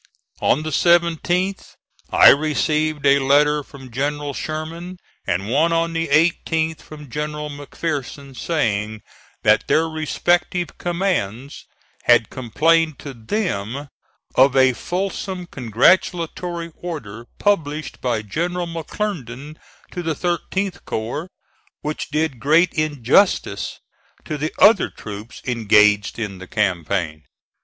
On the 17th I received a letter from General Sherman and one on the 18th from General McPherson, saying that their respective commands had complained to them of a fulsome, congratulatory order published by General McClernand to the 13th corps, which did great injustice to the other troops engaged in the campaign.